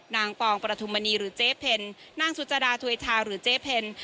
นางปองประธุมณีหรือเจเพ็นนางสุจรดาถวยทาหรือเจเพ็น